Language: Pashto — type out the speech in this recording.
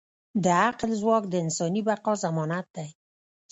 د عقل ځواک د انساني بقا ضمانت دی.